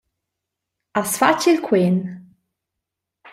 Has fatg il quen?